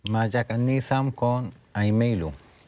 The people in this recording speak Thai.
มาจากอันนี้ซ้ำคนไม่รู้